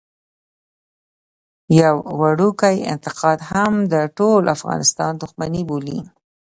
يو وړوکی انتقاد هم د ټول افغانستان دښمني بولي.